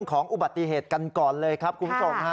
ของอุบัติเหตุกันก่อนเลยครับคุณผู้ชมฮะ